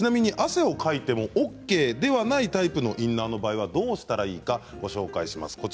汗をかいてもＯＫではないタイプのインナーの場合はどうしたらいいかご紹介します。